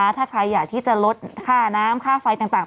แห่งรัฐนะคะถ้าใครอยากที่จะลดค่าน้ำค่าไฟต่างต่าง